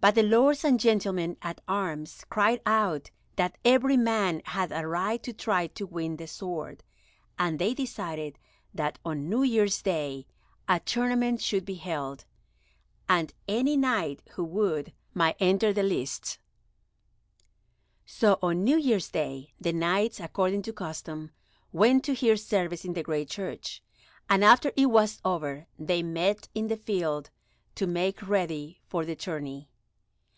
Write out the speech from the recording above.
But the lords and gentlemen at arms cried out that every man had a right to try to win the sword, and they decided that on New Year's Day a tournament should be held, and any Knight who would, might enter the lists. So on New Year's Day, the Knights, according to custom, went to hear service in the Great Church, and after it was over they met in the field to make ready for the tourney.